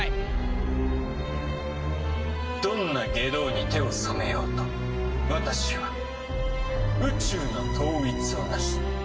どんな外道に手を染めようと私は宇宙の統一をなす。